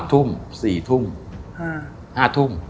ทุ่ม๔ทุ่ม๕ทุ่ม